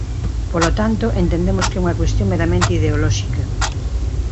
Polo tanto, entendemos que é unha cuestión meramente ideolóxica.